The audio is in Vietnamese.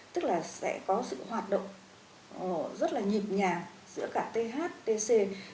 tức là sẽ có sự hoạt động rất là nhịp nhàng giữa cả th tc